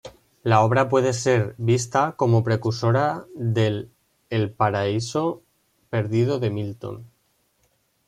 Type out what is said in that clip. La obra puede ser vista como precursora del El paraíso perdido de Milton.